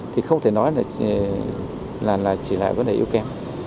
thì không thể nói là chỉ là vấn đề yếu kèm